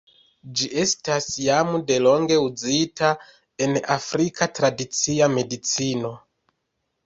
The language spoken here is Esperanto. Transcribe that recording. Ĝi estas jam delonge uzita en afrika tradicia medicino.